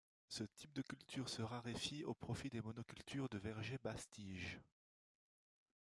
Ce type de culture se raréfie au profit des monocultures de vergers basses tiges.